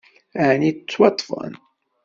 Ɛni ttwaṭṭfen?